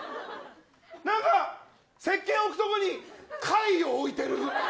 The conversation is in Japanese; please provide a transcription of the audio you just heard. なんかせっけん置くとこに貝置いてる。